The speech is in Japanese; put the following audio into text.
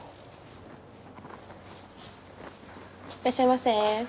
いらっしゃいませ。